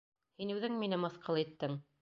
Һин үҙең мине мыҫҡыл иттең!